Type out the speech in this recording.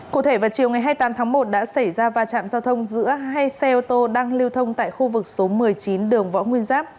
cụ thể vào chiều ngày hai mươi tám tháng một đã xảy ra va chạm giao thông giữa hai xe ô tô đang lưu thông tại khu vực số một mươi chín đường võ nguyên giáp